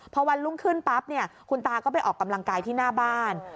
พอวันรุ่งขึ้นปั๊บเนี่ยคุณตาก็ไปออกกำลังกายที่หน้าบ้าน